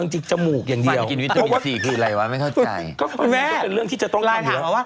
น้องกันนี่จมูกอย่างเดียวฟันกินวิตาเมณซีคืออะไรวะไม่เข้าใจแม่ก็จะเป็นเรื่องที่จะต้องทำอยู่แล้ว